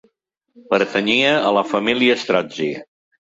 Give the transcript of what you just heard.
Pertanyia a la família Strozzi.